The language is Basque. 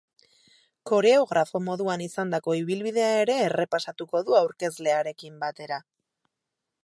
Koreografo moduan izandako ibilbidea ere errepasatuko du aurkezlearekin batera.